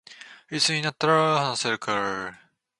いつになったら話せるか